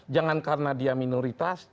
jangan karena dia minoritas